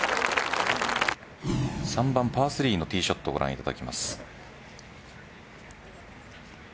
３番パー３のティーショットをご覧いただきます。